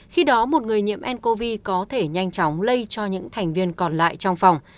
khi đó một người nhiễm ncov có thể nhanh chóng lây cho những thành viên còn lại trong phòng